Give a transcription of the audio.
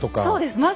そうです。